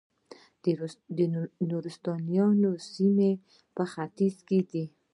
د نورستانیانو سیمې په ختیځ کې دي